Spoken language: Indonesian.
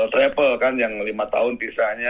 triple kan yang lima tahun pisanya